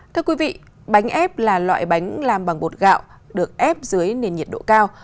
thưa quý vị bánh ép là loại bánh làm bằng bột gạo được ép dưới nền nhiệt độ cao